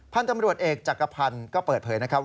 พันธุ์ตำรวจเอกจักรพันธ์ก็เปิดเผยนะครับ